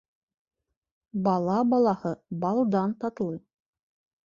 Бала балаһы балдан татлы.